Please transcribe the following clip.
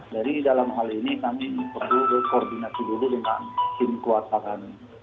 jadi dalam hal ini kami perlu koordinasi dulu dengan tim kuasa kami